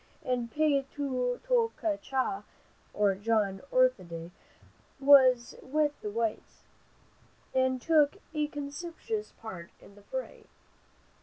An pay tu tok a cha, or John Otherday, was with the whites, and took a conspicuous part in the fray.